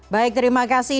baik terima kasih